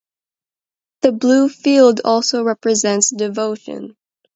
The blue field also represents devotion.